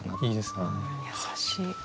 優しい。